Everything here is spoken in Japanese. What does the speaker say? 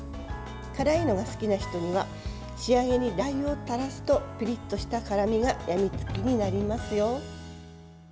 辛いのが好きな人には仕上げにラーユをたらすとピリッとした辛みが病みつきになりますよ。